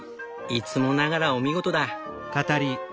いつもながらお見事だ。